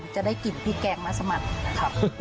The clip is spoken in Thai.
จะได้กลิ่นพริกแกงมัสมันนะครับ